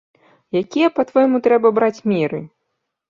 Якія, па-твойму, трэба браць меры?